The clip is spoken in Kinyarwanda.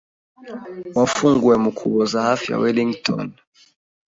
wafunguwe mu Kuboza hafi ya Wellington,